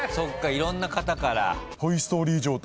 いろんな方から。